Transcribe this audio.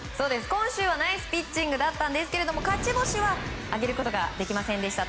今週はナイスピッチングだったんですけれども勝ち星は挙げることができませんでした。